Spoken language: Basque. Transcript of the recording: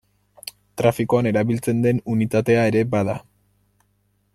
Trafikoan erabiltzen den unitatea ere bada.